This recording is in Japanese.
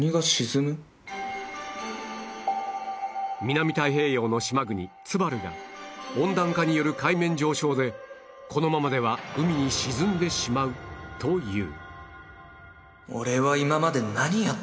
南太平洋の島国ツバルが温暖化による海面上昇でこのままでは海に沈んでしまうという